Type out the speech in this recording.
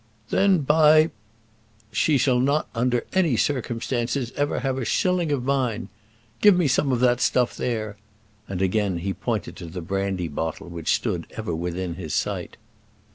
"Then, by , she shall not under any circumstances ever have a shilling of mine. Give me some of that stuff there," and he again pointed to the brandy bottle which stood ever within his sight.